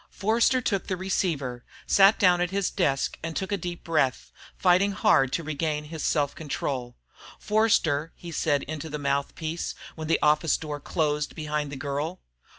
Forster took the receiver, sat down at his desk and took a deep breath, fighting hard to regain his self control. "Forster," he said into the mouthpiece when the office door closed behind the girl.